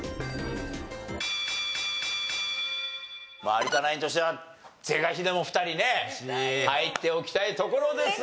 有田ナインとしては是が非でも２人ね入っておきたいところですが。